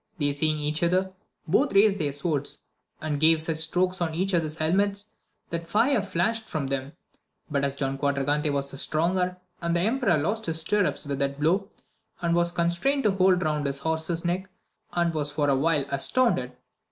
They seeing each other, both raised their swords, and gave such strokes on each other's helmet, that fire flashed from them ; but as Don Quadragante was the stronger, the emperor lost his stirrups with that blow, and was constrained to hold round his horse's neck, and was for a while as tounded.